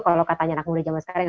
kalau katanya anak muda zaman sekarang